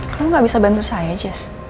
kamu gak bisa bantu saya jazz